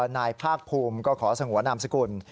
นายภาคภูมิก็ขอสงวนนามสกุล